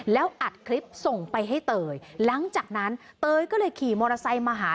แล้วอัดคลิปส่งไปให้เตยหลังจากนั้นเตยก็เลยขี่มอเตอร์ไซค์มาหา